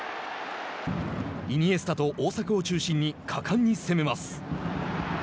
イニエスタと大迫を中心に果敢に攻めます。